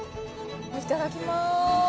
いただきます。